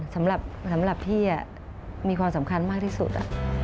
สำหรับพี่มีความสำคัญมากที่สุด